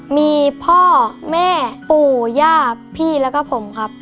มีพ่อแม่ปู่ย่าพี่แล้วก็ผมครับ